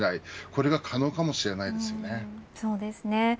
これが可能かもしれないですよね。